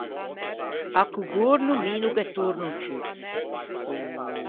À Cogorno mi no ghe torno ciù!